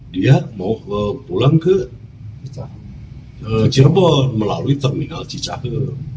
dia mau pulang ke cirebon melalui terminal cicahe